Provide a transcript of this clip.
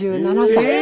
８７歳で。